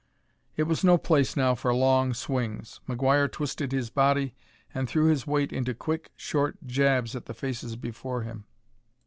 It was no place now for long swings; McGuire twisted his body and threw his weight into quick short jabs at the faces before him.